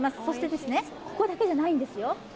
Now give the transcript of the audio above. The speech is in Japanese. そして、ここだけじゃないんですよ